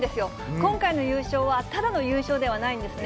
今回の優勝はただの優勝ではないんですね。